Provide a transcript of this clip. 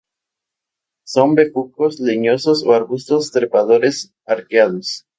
Son bejucos leñosos o arbustos trepadores arqueados.